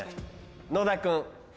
野田君。